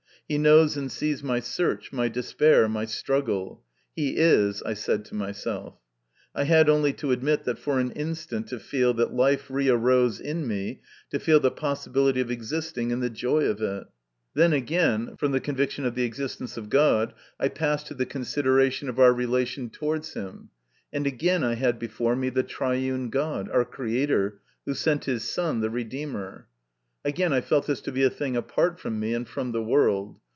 He knows and sees my search, my despair, my struggle. " He is," I said to myself. I had only to admit that for an instant to feel that life re arose in me, to feel the possibility of existing and the joy of it. Then, again, from 112 MY CONFESSION. the conviction of the existence of God, I passed to the consideration of our relation towards Him, and again I had before me the triune God, our Creator, who sent His Son, the Redeemer. Again, I felt this to be a thing apart from me and from the world.